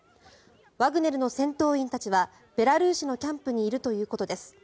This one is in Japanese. ワグネルの戦闘員たちはベラルーシのキャンプにいるということです。